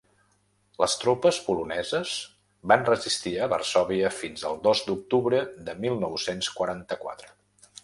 Les tropes poloneses van resistir a Varsòvia fins al dos d'octubre de mil nou-cents quaranta-quatre.